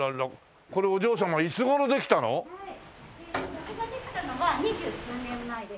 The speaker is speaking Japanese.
ここができたのは二十数年前です。